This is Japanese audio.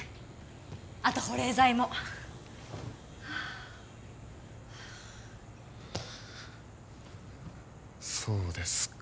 あと保冷剤もはあっそうですか